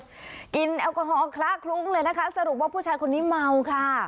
กินแอลกอฮอลคละคลุ้งเลยนะคะสรุปว่าผู้ชายคนนี้เมาค่ะ